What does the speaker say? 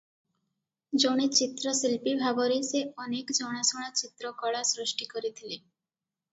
ଜଣେ ଚିତ୍ରଶିଳ୍ପୀ ଭାବରେ ସେ ଅନେକ ଜଣାଶୁଣା ଚିତ୍ରକଳା ସୃଷ୍ଟି କରିଥିଲେ ।